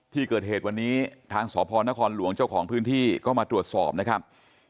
ที่เกิดเหตุวันนี้ทางสพนครหลวงเจ้าของพื้นที่ก็มาตรวจสอบนะครับ